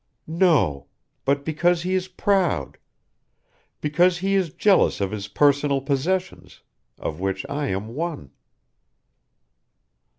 "No. But because he is proud: because he is jealous of his personal possessions of which I am one."